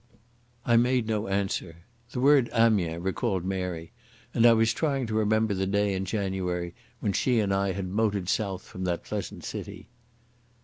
I made no answer. The word "Amiens" recalled Mary, and I was trying to remember the day in January when she and I had motored south from that pleasant city.